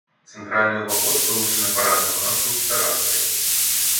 Цэнтральны ўваход вылучаны парадным ганкам з тэрасай.